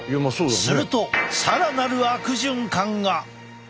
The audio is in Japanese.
するとさらなる悪循環が！